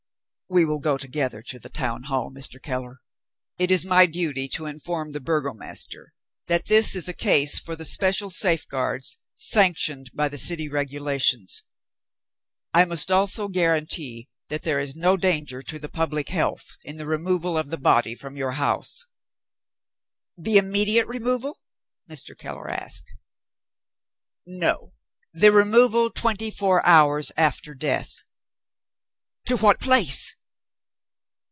"We will go together to the town hall, Mr. Keller. It is my duty to inform the burgomaster that this is a case for the special safeguards, sanctioned by the city regulations. I must also guarantee that there is no danger to the public health, in the removal of the body from your house." "The immediate removal?" Mr. Keller asked. "No! The removal twenty four hours after death." "To what place?"